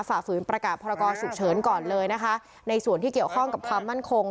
ฝ่าฝืนประกาศพรกรฉุกเฉินก่อนเลยนะคะในส่วนที่เกี่ยวข้องกับความมั่นคง